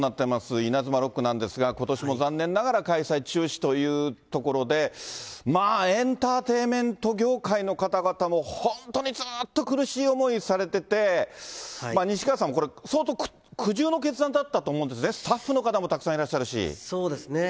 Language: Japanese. イナズマロックイベントなんですが、ことしも残念ながら開催中止というところで、まあエンターテインメント業界の方々も本当にずっと苦しい思いをされてて、西川さんも、これ相当苦渋の決断だったと思うんですね、スタッフの方もたくさそうですね。